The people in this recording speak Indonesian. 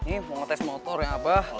ini mau ngetes motor ya abah